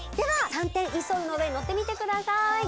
３点インソールの上に乗ってみてください